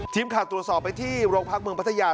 ทีมข่าวตรวจสอบไปที่โรงพักเมืองพัทยา